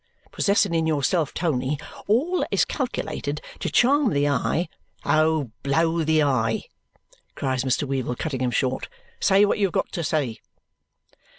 Possessing in yourself, Tony, all that is calculated to charm the eye " "Oh! Blow the eye!" cries Mr. Weevle, cutting him short. "Say what you have got to say!"